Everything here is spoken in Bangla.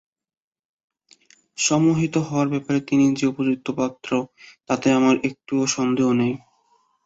সম্মোহিত হওয়ার ব্যাপারে তিনি যে উপযুক্ত পাত্র তাতে আমার এতটুকু সন্দেহ নেই।